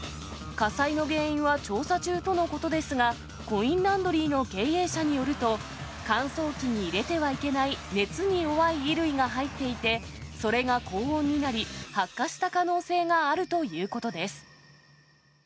火災の原因は調査中とのことですが、コインランドリーの経営者によると、乾燥機に入れてはいけない熱に弱い衣類が入っていて、それが高温になり、発火した可能性があるということです。